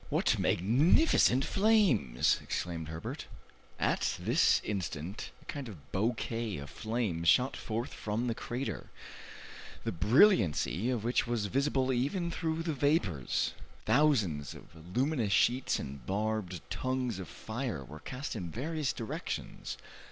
"What magnificent flames!" exclaimed Herbert. At this instant a kind of bouquet of flames shot forth from the crater, the brilliancy of which was visible even through the vapors. Thousands of luminous sheets and barbed tongues of fire were cast in various directions.